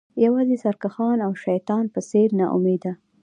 یوازې سرکښان او د شیطان په څیر ناامیده